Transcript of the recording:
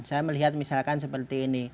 saya melihat misalkan seperti ini